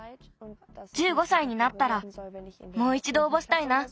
１５さいになったらもういちどおうぼしたいな。